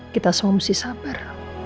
kita semua mesti sabar